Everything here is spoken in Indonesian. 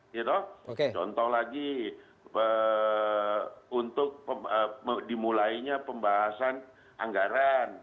contoh lagi untuk dimulainya pembahasan anggaran